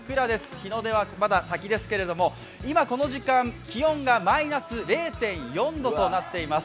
日の出はまだ先ですけど、今の時間気温がマイナス０．４度となっています。